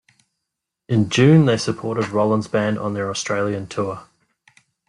In June they supported Rollins Band on their Australian tour.